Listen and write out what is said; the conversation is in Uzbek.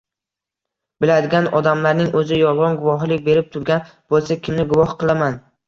Biladigan odamlarning oʻzi yolgʻon guvohlik berib turgan boʻlsa, kimni guvoh qilaman?